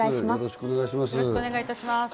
よろしくお願いします。